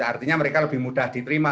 artinya mereka lebih mudah diterima